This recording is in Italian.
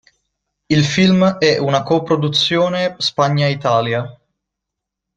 Il film è una coproduzione Spagna-Italia.